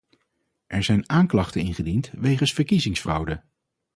Er zijn aanklachten ingediend wegens verkiezingsfraude.